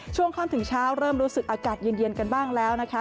ช่วงค่ำถึงเช้าเริ่มรู้สึกอากาศเย็นกันบ้างแล้วนะคะ